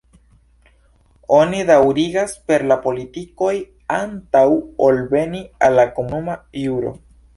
Oni daŭrigas per la politikoj antaŭ ol veni al la komunuma juro.